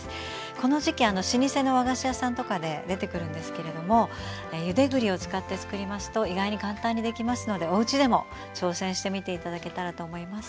この時期老舗の和菓子屋さんとかで出てくるんですけれどもゆで栗を使ってつくりますと意外に簡単にできますのでおうちでも挑戦してみて頂けたらと思います。